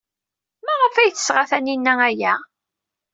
Maɣef ay d-tesɣa Taninna aya?